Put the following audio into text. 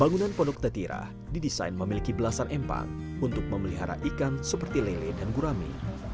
bangunan pondok tetira didesain memiliki belasan empang untuk memelihara ikan seperti lele dan gurami